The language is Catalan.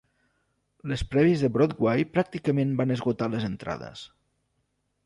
Les prèvies de Broadway pràcticament van esgotar les entrades.